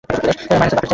মাইনাসের বাপেরও চাই।